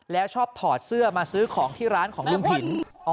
แล้วชอบถอดเสื้อมาซื้อของที่ร้านของลุงผิน